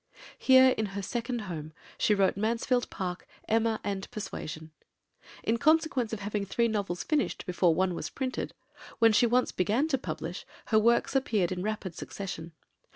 Here in her second home she wrote Mansfield Park, Emma, and Persuasion. In consequence of having three novels finished before one was printed, when she once began to publish, her works appeared in rapid succession.